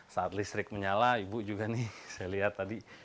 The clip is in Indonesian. saat listrik menyala ibu juga nih saya lihat tadi